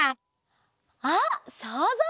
あっそうぞう！